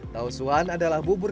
taosuan adalah bubur